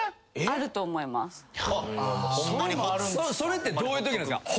それってどういうときなんすか？